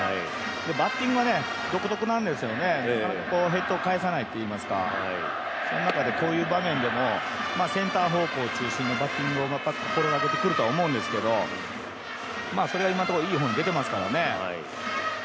バッティングは独特なんですよね、ヘッドを返さないというかその中でこういう場面でもセンター方向を中心にバッティングを心がけてくると思うんですけど、それは今のところいい方向に出ていますからね。